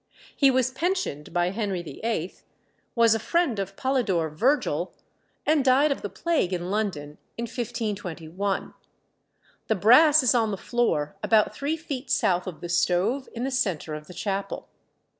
He was pensioned by Henry VIII., was a friend of Polydore Virgil, and died of the plague in London in 1521. The brass is on the floor, about three feet south of the stove in the centre of the chapel.